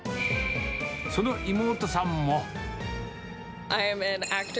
その妹さんも。